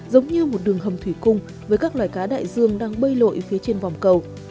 giống như một đường hầm thủy cung với các loài cá đại dương đang bơi lội phía trên vòng cầu